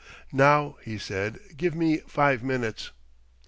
"Now," he said, "give me five minutes...."